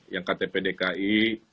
yang ktp dki